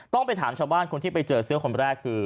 ต้องไปถามชาวบ้านที่เจอเสื้อคนแรกคือ